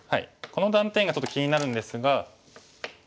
この断点がちょっと気になるんですが。